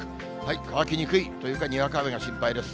乾きにくい、というかにわか雨が心配です。